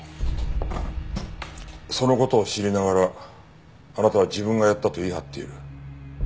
その事を知りながらあなたは自分がやったと言い張っている。